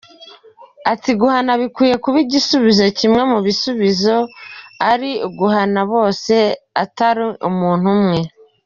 Ati “Guhana bikwiye kuba igisubizo, kimwe mu bisubizo, ari uguhana bose atari umuntu umwe.